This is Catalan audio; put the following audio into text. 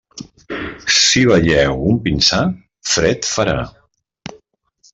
Si veieu un pinsà, fred farà.